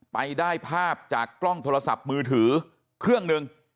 ไปได้ภาพจากกล้องโทรศัพท์มือถือเครื่องหนึ่ง